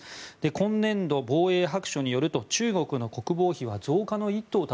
今年度、防衛白書によると中国の国防費は増加の一途をだ